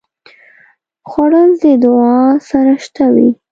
خوړل د دعا سره شته وي